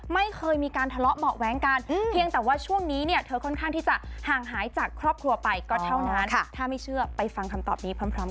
ไม่เคยมีการทะเลาะเหมือนกันเพียงแต่ว่าช่วงนี้เธอค่อนข้างที่จะห่างหายจากครอบครัวไปก็เท่านั้น